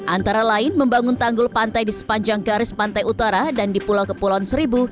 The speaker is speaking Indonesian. antara lain membangun tanggul pantai di sepanjang garis pantai utara dan di pulau kepulauan seribu